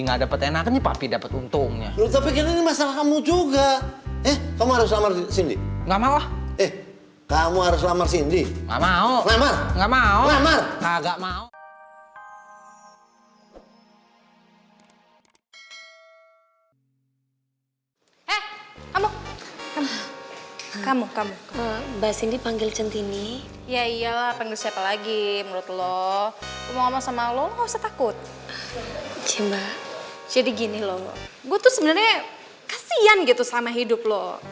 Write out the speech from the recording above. gue tuh sebenernya kasian gitu sama hidup lo